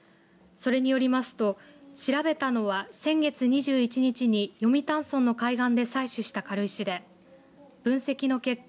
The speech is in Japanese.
それによりますと調べたのは先月２１日に読谷村の海岸で採取した軽石で分析の結果